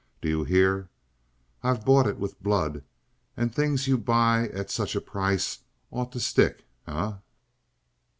Do you hear? I've bought it with blood, and things you buy at such a price ought to stick, eh?"